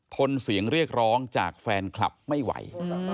ทนเสียงเรียกร้องจากแฟนคลับไม่ไหว